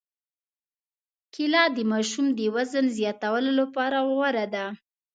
کېله د ماشوم د وزن زیاتولو لپاره غوره ده.